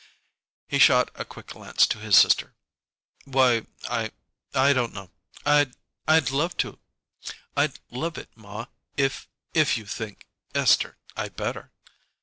He shot a quick glance to his sister. "Why, I I don't know. I I'd love it, ma, if if you think, Esther, I'd better."